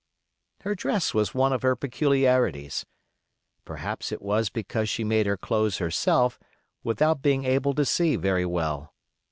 Her dress was one of her peculiarities. Perhaps it was because she made her clothes herself, without being able to see very well.